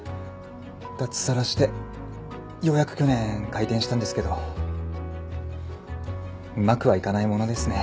脱サラしてようやく去年開店したんですけどうまくはいかないものですね。